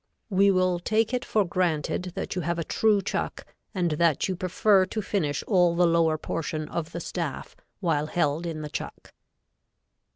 We will take it for granted that you have a true chuck and that you prefer to finish all the lower portion of the staff while held in the chuck.